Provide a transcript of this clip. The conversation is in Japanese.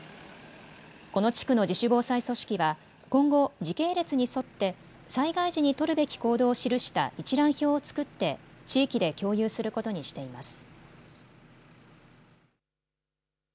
この地区の自主防災組織は今後、時系列に沿って災害時に取るべき行動を記した一覧表を作って地域で共有することにしています。